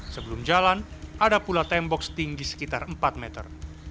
sebelum jalan ada pula tembok setinggi sekitar empat meter